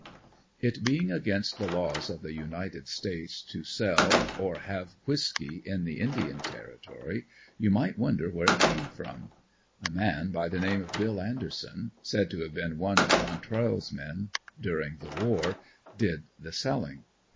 It being against the laws of the United States to sell, or have whisky in the Indian territory, you might wonder where it came from: A man by the name of Bill Anderson said to have been one of Quantrell's men during the war did the selling.